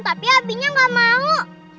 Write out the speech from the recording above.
tapi abinya gak mau